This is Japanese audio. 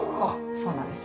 そうなんです。